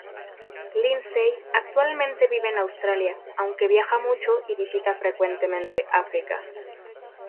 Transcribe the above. Lindsay actualmente vive en Australia, aunque viaja mucho y visita frecuentemente África.